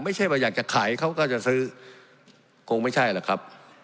ไม่ใช่ว่าอยากจะขายเขาก็จะซื้อคงไม่ใช่แหละครับ